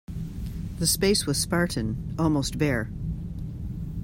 The space was spartan, almost bare.